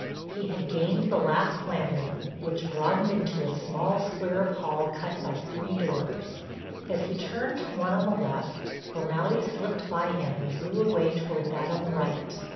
He had gained the last landing, which broadened into a small square of hall cut by three doors. As he turned to one on the left, O'Malley slipped by him and drew away toward that on the right.